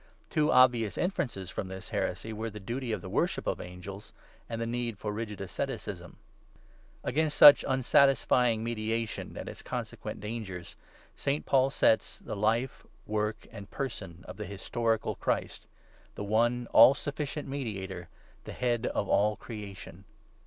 Two obvious inferences from this heresy were the duty of the worship of angels, and the need for rigid asceticism. Against such unsatisfying mediation, and its consequent dangers, St. Paul sets the Life, Work, and Person of the historical Christ — the one, all sufficient mediator, the Head of all creation.